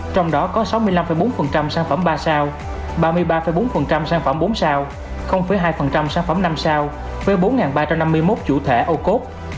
trong đó có sáu mươi năm bốn sản phẩm ba sao ba mươi ba bốn sản phẩm bốn sao hai sản phẩm năm sao với bốn ba trăm năm mươi một chủ thể ô cốt